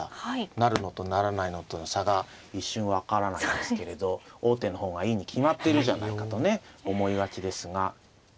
成るのと成らないのとの差が一瞬分からないんですけれど王手の方がいいに決まってるじゃないかとね思いがちですが。